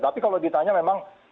tapi kalau ditanya memang